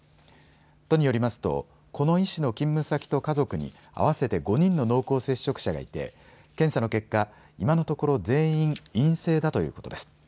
都によりますと、この医師の勤務先と家族に合わせて５人の濃厚接触者がいて検査の結果、今のところ全員陰性だということです。